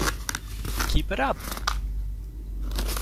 Keep it up!